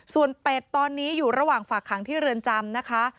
ส่วน๘ตอนนี้อยู่ระหว่างฝากขังที่เรือนจำ